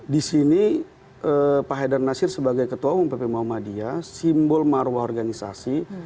di sini pak haidar nasir sebagai ketua umum pp muhammadiyah simbol marwah organisasi